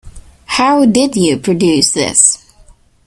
How did you produce this?